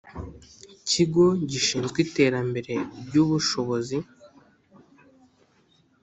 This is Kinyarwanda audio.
Kigo gishinzwe Iterambere ry Ubushobozi